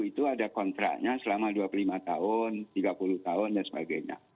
itu ada kontraknya selama dua puluh lima tahun tiga puluh tahun dan sebagainya